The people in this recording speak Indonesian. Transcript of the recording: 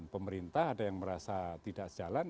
pemerintah ada yang merasa tidak jalan